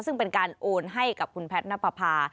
ซึ่งเป็นการโอนให้กับคุณแพทย์นับประพา